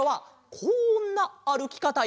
こんなあるきかたで。